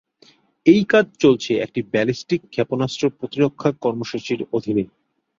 এই কাজ চলছে একটি ব্যালিস্টিক ক্ষেপণাস্ত্র প্রতিরক্ষা কর্মসূচির অধীনে।